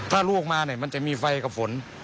ถ้าลูกมาเนี่ยมันจะมีไฟกับฝน